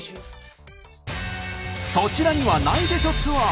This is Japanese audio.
そちらにはないでしょツアー。